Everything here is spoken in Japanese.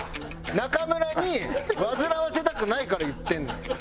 中村に煩わせたくないから言ってんねん。